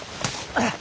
あっ。